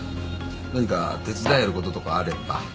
何か手伝えることとかあれば。